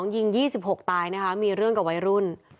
๓๒ยิง๒๖ตายมีเรื่องกับวัยรุ่น